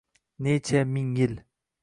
Necha ming yil